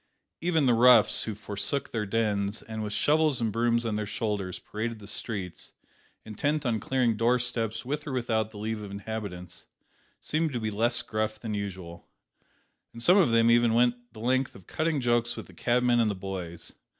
Even the roughs who forsook their dens, and, with shovels and brooms on their shoulders, paraded the streets, intent on clearing door steps with or without the leave of inhabitants seemed to be less gruff than usual, and some of them even went the length of cutting jokes with the cabmen and the boys.